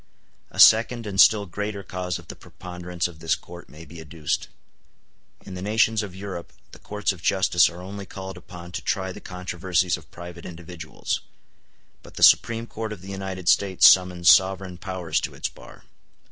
A second and still greater cause of the preponderance of this court may be adduced. In the nations of Europe the courts of justice are only called upon to try the controversies of private individuals; but the Supreme Court of the United States summons sovereign powers to its bar.